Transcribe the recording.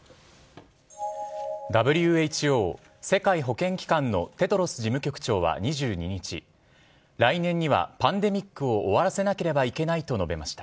ＷＨＯ＝世界保健機関のテドロス事務局長は２２日来年にはパンデミックを終わらせなければいけないと述べました。